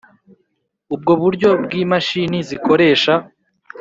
ubwo buryo bw imashini zikoresha